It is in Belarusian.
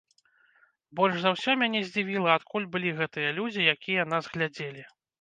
Больш за ўсё мяне здзівіла, адкуль былі гэтыя людзі, якія нас глядзелі.